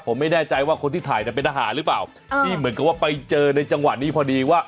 ผมไม่แน่ใจว่าคนที่ถ่ายจะเป็นทหารหรือเปล่าที่เหมือนกับว่าไปเจอในจังหวะนี้พอดีว่า